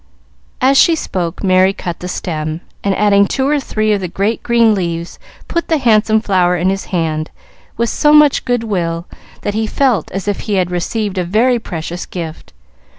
As she spoke, Merry cut the stem, and, adding two or three of the great green leaves, put the handsome flower in his hand with so much good will that he felt as if he had received a very precious gift.